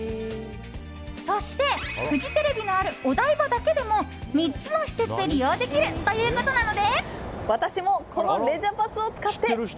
そしてフジテレビのあるお台場だけでも３つの施設で利用できるということなので。